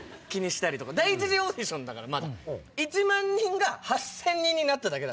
第１次オーディションだからまだ１万人が８０００人になっただけ。